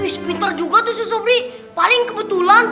wih pintar juga tuh sobri paling kebetulan